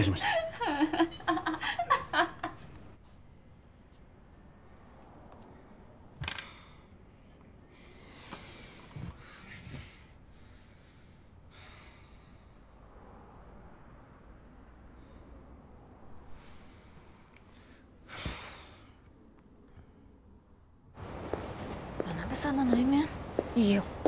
いいよ。